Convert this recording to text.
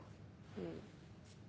うん。